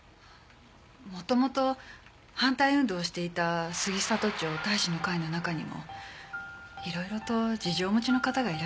元々反対運動をしていた杉里町隊士の会の中にもいろいろと事情をお持ちの方がいらっしゃいましたから。